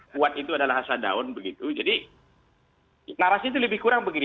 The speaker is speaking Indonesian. kuat itu adalah hasadaun begitu jadi narasi itu lebih kurang begini